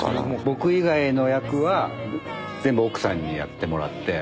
僕以外の役は全部奥さんにやってもらって。